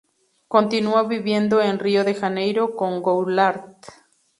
Continuó viviendo en Rio de Janeiro con Goulart.